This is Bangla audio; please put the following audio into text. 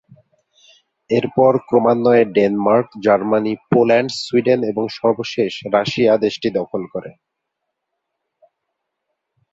এরপর ক্রমান্বয়ে ডেনমার্ক, জার্মানি, পোল্যান্ড, সুইডেন এবং সবশেষে রাশিয়া দেশটি দখল করে।